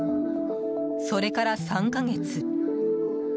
それから３か月。